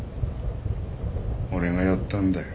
俺がやったんだよ。